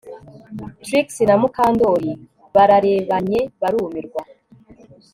Trix na Mukandoli bararebanye barumirwa